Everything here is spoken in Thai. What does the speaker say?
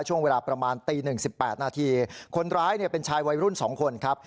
ช่วงเวลาประมาณตีหนึ่งสิบแปดนาทีคนร้ายเนี่ยเป็นชายวัยรุ่น๒คนครับ